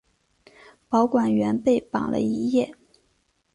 保管员被绑了一夜。